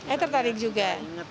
eh tertarik juga